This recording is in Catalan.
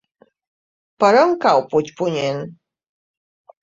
Per on cau Puigpunyent?